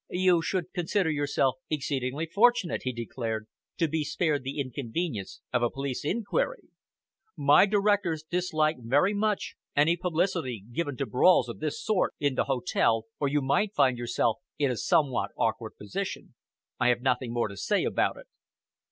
"You should consider yourself exceedingly fortunate," he declared, "to be spared the inconvenience of a police inquiry. My directors dislike very much any publicity given to brawls of this sort in the hotel, or you might find yourself in a somewhat awkward position. I have nothing more to say about it."